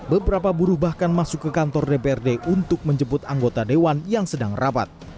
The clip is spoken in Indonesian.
beberapa buruh bahkan masuk ke kantor dprd untuk menjemput anggota dewan yang sedang rapat